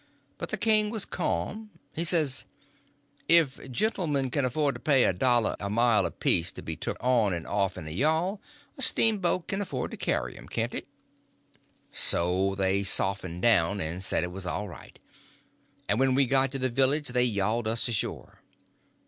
But the king was ca'm. He says: "If gentlemen kin afford to pay a dollar a mile apiece to be took on and put off in a yawl, a steamboat kin afford to carry 'em, can't it?" So they softened down and said it was all right; and when we got to the village they yawled us ashore.